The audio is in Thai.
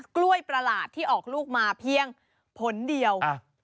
กล้วยประหลาดที่ออกลูกมาเพียงผลเดียว